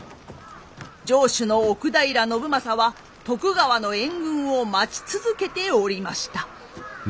城主の奥平信昌は徳川の援軍を待ち続けておりました。